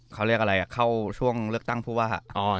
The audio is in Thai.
เขาเรียกอะไรเข้าช่วงเลือกตั้งผู้ว่า